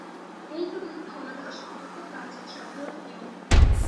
এই তো গেল খাওয়া-দাওয়া সম্বন্ধে প্রাচীন সাধারণ নিয়ম।